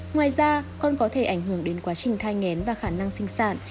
ngoài ra con có thể ảnh hưởng đến quá trình thai ngén và khả năng sinh sản